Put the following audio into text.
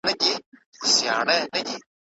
ایا مینه زده کړه پیاوړې کوي؟